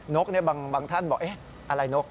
นกบางท่านบอกอะไรนก